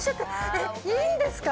えっいいんですか？